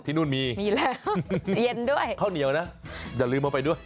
นู่นมีมีแล้วเย็นด้วยข้าวเหนียวนะอย่าลืมเอาไปด้วย